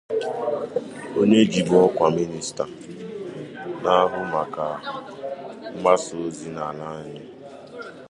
onye jibụ ọkwa minista na-ahụ maka mgbasa ozi n'ala anyị